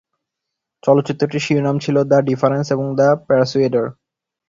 চলচ্চিত্রটির শিরোনাম ছিল "দ্য ডিফারেন্স" এবং "দ্য পারসুয়েডার"।